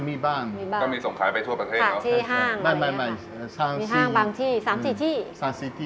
มีห้างบางที่๓๔ที่